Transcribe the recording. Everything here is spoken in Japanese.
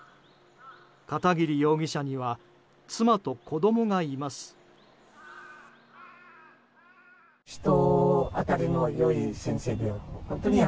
片桐容疑者には妻と子供がいます。